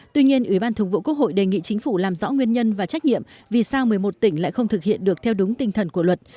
tuy nhiên ủy ban thường vụ quốc hội đề nghị chính phủ làm rõ nguyên nhân và trách nhiệm vì sao một mươi một tỉnh lại không thực hiện được theo đúng tinh thần của luật